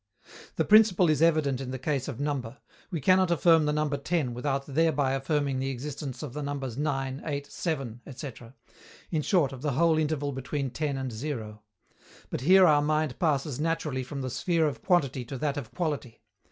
_ The principle is evident in the case of number: we cannot affirm the number 10 without thereby affirming the existence of the numbers 9, 8, 7, ..., etc. in short, of the whole interval between 10 and zero. But here our mind passes naturally from the sphere of quantity to that of quality.